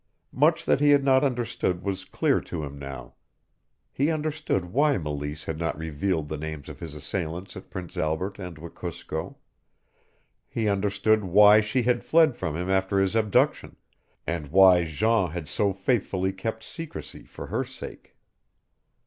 Much that he had not understood was clear to him now. He understood why Meleese had not revealed the names of his assailants at Prince Albert and Wekusko, he understood why she had fled from him after his abduction, and why Jean had so faithfully kept secrecy for her sake.